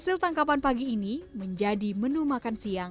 hasil tangkapan pagi ini menjadi menu makan siang